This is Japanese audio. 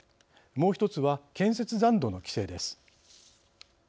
もう一つは建設残土の規制です。